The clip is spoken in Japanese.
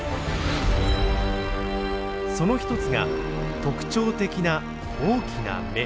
その一つが特徴的な大きな目。